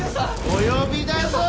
お呼びだぞ！